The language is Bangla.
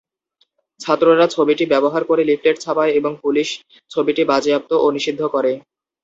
ছাত্ররা ছবিটি ব্যবহার করে লিফলেট ছাপায় এবং পুলিশ ছবিটি বাজেয়াপ্ত ও নিষিদ্ধ করে।